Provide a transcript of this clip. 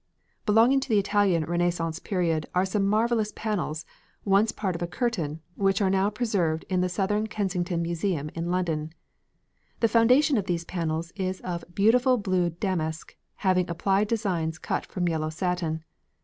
Belonging to the Italian Renaissance period are some marvellous panels, once part of a curtain, which are now preserved in the South Kensington Museum in London. The foundation of these panels is of beautiful blue damask having applied designs cut from yellow satin.